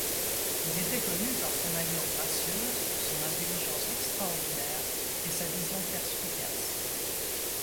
Il était connu par son allure gracieuse, son intelligence extraordinaire et sa vision perspicace.